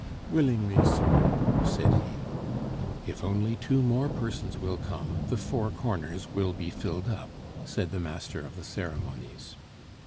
"Willingly, sir," said he. "If only two more persons will come, the four corners will be filled up," said the master of the ceremonies.